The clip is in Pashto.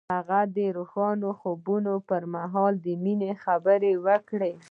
هغه د روښانه خوب پر مهال د مینې خبرې وکړې.